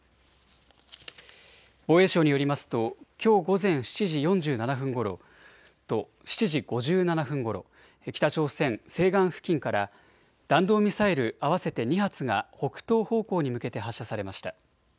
防衛省によりますときょう午前７時４７分ごろと７時５７分ごろ、北朝鮮西岸付近から弾道ミサイル合わせて２発が北東方向に向けて発射されました。